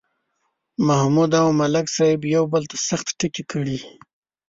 محمود او ملک صاحب یو بل ته سخت ټکي کړي.